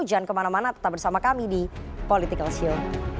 jangan kemana mana tetap bersama kami di politikals yul